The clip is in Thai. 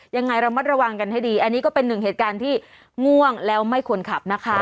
ยังไงระมัดระวังกันให้ดีอันนี้ก็เป็นหนึ่งเหตุการณ์ที่ง่วงแล้วไม่ควรขับนะคะ